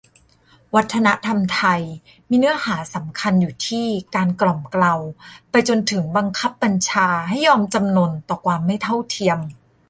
"วัฒนธรรมไทย" มีเนื้อหาสำคัญอยู่ที่การกล่อมเกลา ไปจนถึงบังคับบัญชาให้ยอมจำนนต่อความไม่เท่าเทียม